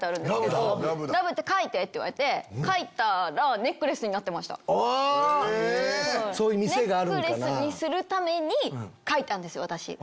ネックレスにするために書いたんです。